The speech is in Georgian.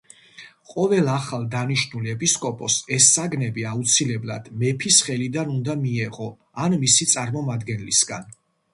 ყოველ ახალ დანიშნულ ეპისკოპოსს ეს საგნები აუცილებლად მეფის ხელიდან უნდა მიეღო ან მისი წარმომადგენლისგან.